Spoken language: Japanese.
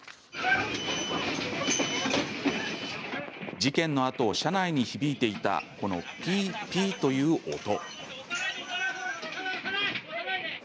事件のあと、車内に響いていたこのピーピーという音。